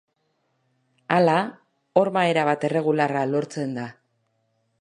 Hala, horma erabat erregularra lortzen da.